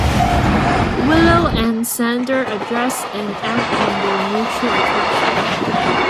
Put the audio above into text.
Willow and Xander address and act on their mutual attraction.